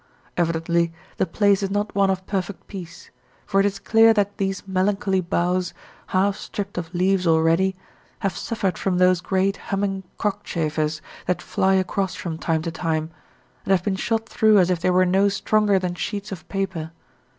Evidently the place is not one of perfect peace, for it is clear that these melancholy boughs, half stripped of leaves already, have suffered from those great humming cockchafers that fly across from time to time, and have been shot through as if they were no stronger than sheets of paper.